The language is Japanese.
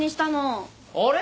あれ？